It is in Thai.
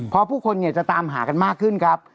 เพราะผู้คนจะตามหากันมากขึ้นครับ